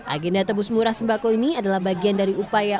agenda tebus murah sembako ini adalah bagian dari upaya